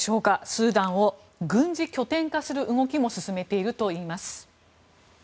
スーダンを軍事拠点化する動きも進めているといいます。